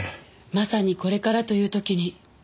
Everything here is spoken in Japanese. まさにこれからというときに。